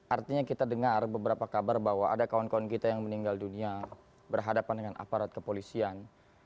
artinya kita dengar beberapa kabar bahwa ada kawan kawan kita yang meninggal dunia berhadapan dengan aparat kepolisian